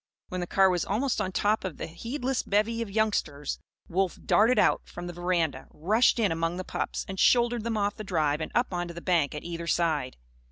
When the car was almost on top of the heedless bevy of youngsters, Wolf darted out, from the veranda, rushed in among the pups and shouldered them off the drive and up onto the bank at either side.